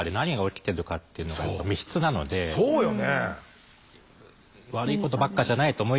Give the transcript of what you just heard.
そうよね。